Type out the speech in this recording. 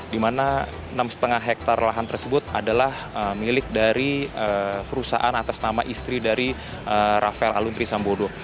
di mana enam lima hektare lahan tersebut adalah milik dari perusahaan atas nama istri dari rafael aluntri sambodo